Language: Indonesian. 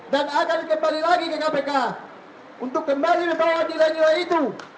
dan akan kembali lagi ke kpk untuk kembali membawa nilai nilai itu